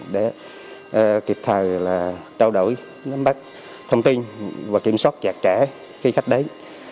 để kịp thời là trao đổi nắm bắt thông tin và kiểm soát chặt chẽ khi khách đến